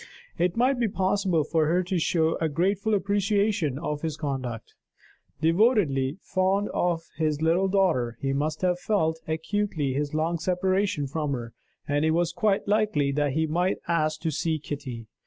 It might be possible for her to show a grateful appreciation of his conduct. Devotedly fond of his little daughter, he must have felt acutely his long separation from her; and it was quite likely that he might ask to see Kitty.